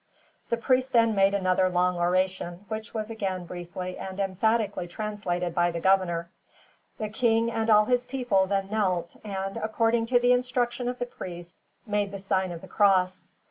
The priest then made another long oration, which was again briefly and emphatically translated by the governor. The king and all his people then knelt and, according to the instruction of the priest, made the sign of the cross.